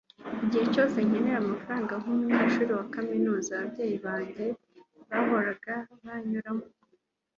igihe cyose nkenera amafaranga nkumunyeshuri wa kaminuza, ababyeyi banjye bahoraga banyuramo